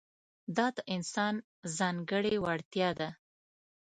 دا د انسان ځانګړې وړتیا ده.